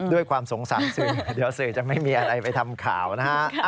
ด้วยความสงสารสื่อเดี๋ยวสื่อจะไม่มีอะไรไปทำข่าวนะฮะ